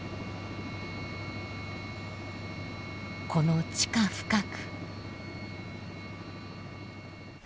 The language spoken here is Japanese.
この地下深く。